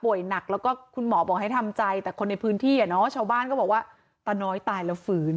หนักแล้วก็คุณหมอบอกให้ทำใจแต่คนในพื้นที่อ่ะเนอะชาวบ้านก็บอกว่าตาน้อยตายแล้วฝืน